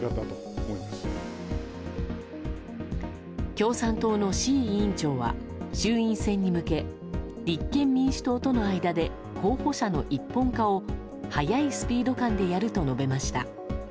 共産党の志位委員長は衆院選に向け立憲民主党との間で候補者の一本化を早いスピード感でやると述べました。